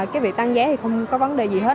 cái việc tăng giá thì không có vấn đề gì hết